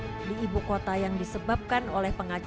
ini adalah sebuah latihan yang memudahkan utara pengras pengraselipsis